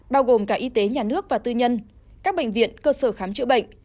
bao gồm cả y tế nhà nước và tư nhân các bệnh viện cơ sở khám chữa bệnh